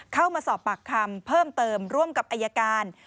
เข้ามาสอบปากคำเพิ่มเติมร่วมกับอายการ